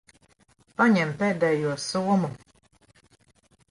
Paņem pēdējo somu.